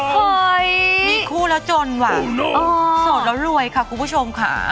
เฮ้ยมีคู่แล้วจนว่ะโสดแล้วรวยค่ะคุณผู้ชมค่ะ